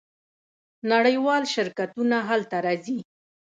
نړیوال شرکتونه هلته راځي.